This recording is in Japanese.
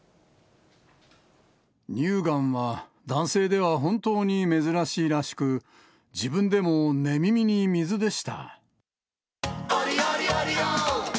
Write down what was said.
乳がんは男性では本当に珍しいらしく、自分でも寝耳に水でした。